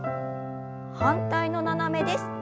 反対の斜めです。